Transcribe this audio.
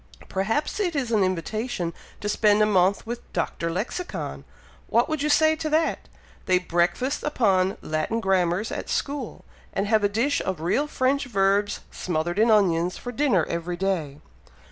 "Perhaps it is an invitation to spend a month with Dr. Lexicon. What would you say to that? They breakfast upon Latin grammars at school, and have a dish of real French verbs, smothered in onions, for dinner every day."